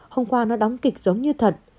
hôm qua nó đóng kịch giống như thật